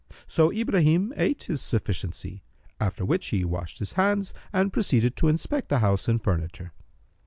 So Ibrahim ate his sufficiency, after which he washed his hands and proceeded to inspect the house and furniture.